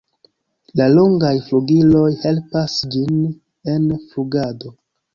La longaj flugiloj helpas ĝin en flugado.